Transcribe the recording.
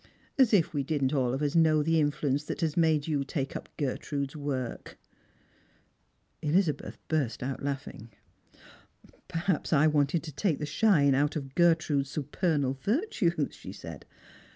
As if we didn't all of us know the influenoe that has made you take up Gertrude's work !" Elizabeth burst out laughing. "Perhaps I wanted to take the shine out of Gertrude's Bupernal virtues," she said.